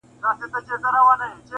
راته بدي یې ښکاریږي کږې غاړي؛